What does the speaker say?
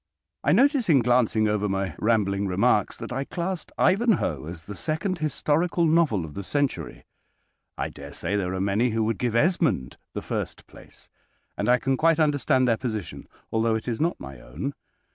I notice, in glancing over my rambling remarks, that I classed "Ivanhoe" as the second historical novel of the century. I dare say there are many who would give "Esmond" the first place, and I can quite understand their position, although it is not my own.